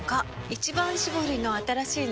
「一番搾り」の新しいの？